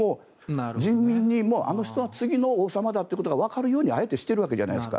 人民にあの人は次の王様だということがあえてしているわけじゃないですか。